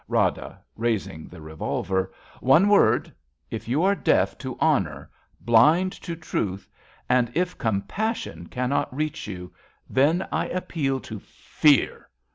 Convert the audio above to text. Rada {raising the revolver). One word. If you are deaf to honour, blind To truth, and if compassion cannot reach you, 61 RADA Then I appeal to fear